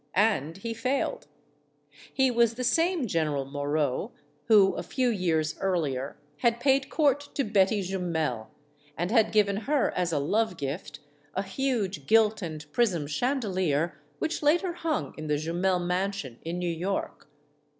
And he failed. He was the same General Moreau who a few years earlier had paid court to Betty Jumel and had given her as a love gift a huge gilt and prism chandelier which later hung in the Jumel mansion in New York.